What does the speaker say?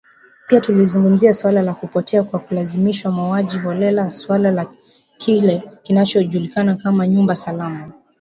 Pia tulizungumzia suala la kupotea kwa kulazimishwa, mauaji holela, suala la kile kinachojulikana kama “nyumba salama”